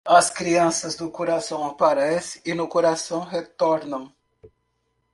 As crianças, do coração, aparecem e no coração retornam.